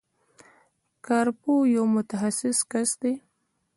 کارپوه یو متخصص کس دی.